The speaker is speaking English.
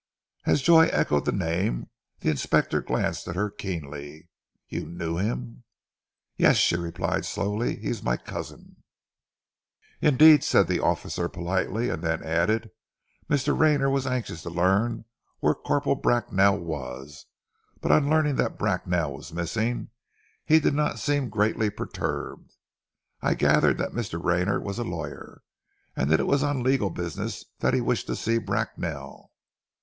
As Joy echoed the name, the inspector glanced at her keenly. "You knew him?" "Yes," she replied slowly. "He is my cousin " "Indeed!" said the officer politely, and then added, "Mr. Rayner was anxious to learn where Corporal Bracknell was, but on learning that Bracknell was missing, he did not seem greatly perturbed. I gathered that Mr. Rayner was a lawyer and that it was on legal business that he wished to see Bracknell."